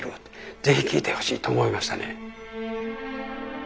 ぜひ聴いてほしいと思いましたね。